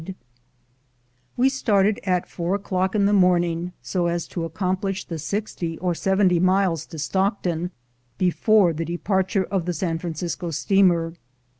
353 354 THE GOLD HUNTERS We started at four o'clock in the morning, so as to accomplish the sixty or seventy miles to Stockton before the departure of the San Francisco steamer.